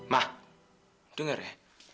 ma denger ya